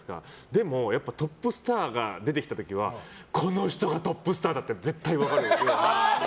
でもトップスターが出てきた時はこの人がトップスターだって絶対分かる。